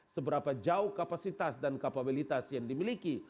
seberapa jauh kapasitas dan kapabilitas yang dimiliki